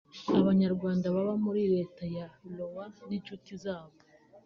Abanyarwanda baba muri Leta ya Iowa n’inshuti zabo